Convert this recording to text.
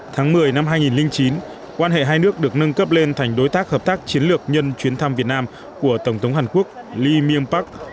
tháng một mươi năm hai nghìn chín quan hệ hai nước được nâng cấp lên thành đối tác hợp tác chiến lược nhân chuyến thăm việt nam của tổng thống hàn quốc lee myung park